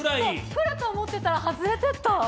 来ると思ったら、外れてた。